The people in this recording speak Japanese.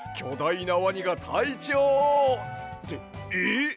いなワニがたいちょうをってえっ！？